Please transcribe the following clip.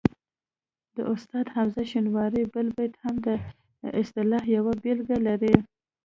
د استاد حمزه شینواري بل بیت هم د اصطلاح یوه بېلګه لري